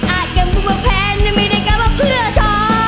อาจเกิดมึงว่าแพ้ไม่มีในการว่าเพื่อจอ